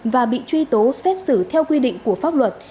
và bị truy tố xét xử theo quy định của pháp luật